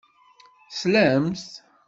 Teslamt.